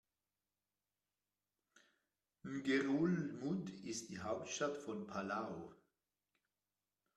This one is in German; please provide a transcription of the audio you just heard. Ngerulmud ist die Hauptstadt von Palau.